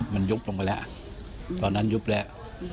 มันยุบลงไปแล้วตอนนั้นยุบแล้ว